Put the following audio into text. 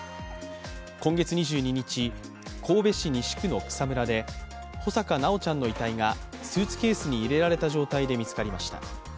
今月２２日、神戸市西区の草むらで穂坂修ちゃんの遺体がスーツケースに入れられた状態で見つかりました。